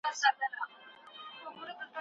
که تاسي ستړي یاست، نو په چمن کې کښېنئ.